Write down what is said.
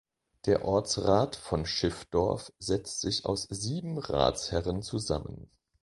Der Ortsrat von Schiffdorf setzt sich aus sieben Ratsherren zusammen.